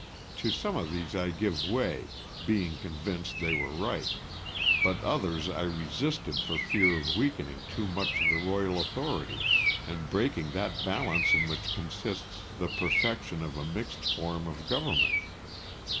To some of these I gave way, being convinced they were right, but others I resisted for fear of weakening too much the royal authority, and breaking that balance in which consists the perfection of a mixed form of government.